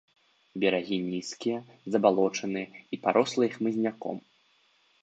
Берагі нізкія, забалочаныя і парослыя хмызняком.